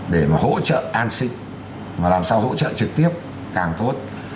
để mà hỗ trợ an sinh mà làm sao hỗ trợ trực tiếp càng tốt